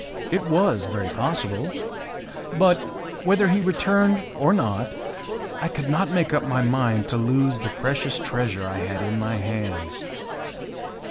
It was very possible. But, whether he returned or not, I could not make up my mind to lose the precious treasure I had in my hands.